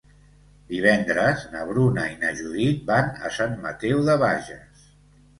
Divendres na Bruna i na Judit van a Sant Mateu de Bages.